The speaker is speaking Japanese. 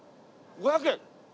５００円。